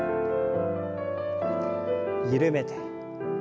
緩めて。